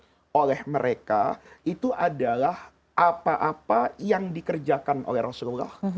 yang oleh mereka itu adalah apa apa yang dikerjakan oleh rasulullah